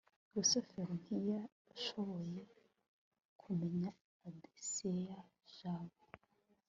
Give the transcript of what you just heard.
rusufero ntiyashoboye kumenya aderesi ya jabo